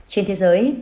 trên thế giới